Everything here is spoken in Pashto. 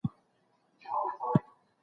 خپل مالونه په پاکه لاره مصرف کړئ.